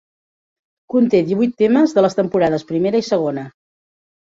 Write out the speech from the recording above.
Conté divuit temes de les temporades primera i segona.